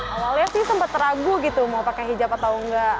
awalnya sih sempat ragu gitu mau pakai hijab atau enggak